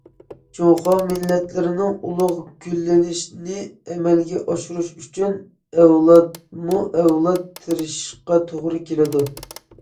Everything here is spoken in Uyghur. جۇڭخۇا مىللەتلىرىنىڭ ئۇلۇغ گۈللىنىشىنى ئەمەلگە ئاشۇرۇش ئۈچۈن ئەۋلادمۇ ئەۋلاد تىرىشىشقا توغرا كېلىدۇ.